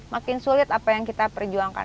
makin sulit apa yang kita perjuangkan